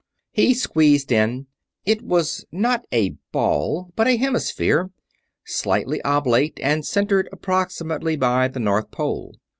He squeezed in. It was not a ball, but a hemisphere, slightly oblate and centered approximately by the North Pole.